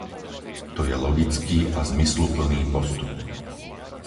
To je logický a zmysluplný postup.